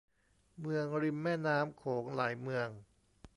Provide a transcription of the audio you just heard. เมืองริมแม่น้ำโขงหลายเมือง